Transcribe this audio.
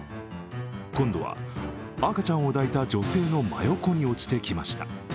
今度は赤ちゃんを抱いた女性の真横に落ちてきました。